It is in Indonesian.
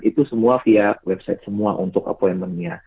itu semua via website semua untuk appointment nya